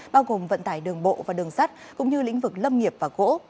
bao gồm vận tải đường bộ và đường sắt cũng như lĩnh vực lâm nghiệp và gỗ